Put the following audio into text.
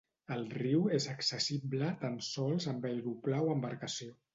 El riu és accessible tan sols amb aeroplà o embarcació.